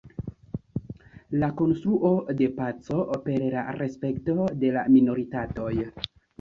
La konstruo de paco per la respekto de la minoritatoj.